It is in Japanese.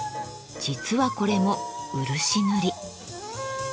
実はこれも漆塗り。